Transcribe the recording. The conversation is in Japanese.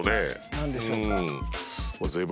何でしょうか？